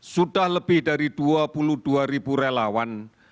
sudah lebih dari dua puluh dua ribu relawan